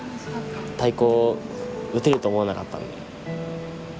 太鼓を打てると思わなかったんで。